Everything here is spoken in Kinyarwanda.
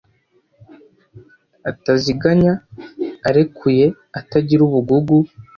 ataziganya: arekuye, atagira ubugugu